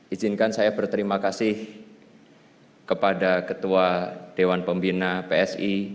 izinkan saya berterima kasih kepada ketua dewan pembina psi